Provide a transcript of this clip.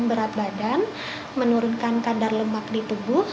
berat badan menurunkan kadar lemak di tubuh